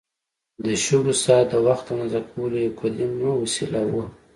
د شګو ساعت د وخت اندازه کولو یو قدیم وسیله وه.